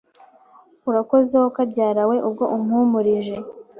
Urakoze wo kabyara we ubwo umpumurije